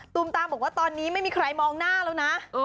ตูมตามบอกว่าตอนนี้๓มีใครมองหน้านะ